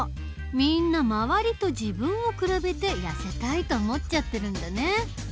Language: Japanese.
みんな周りと自分を比べてやせたいと思っちゃってるんだね。